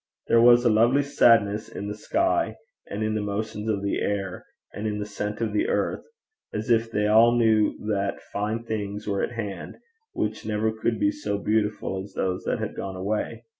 There was a lovely sadness in the sky, and in the motions of the air, and in the scent of the earth as if they all knew that fine things were at hand which never could be so beautiful as those that had gone away.